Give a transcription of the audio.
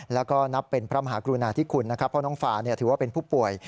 แล้วก็นับเป็นพระมหากรุณาธิคุณนะครับเพราะน้องฟาถือว่าเป็นผู้ป่วย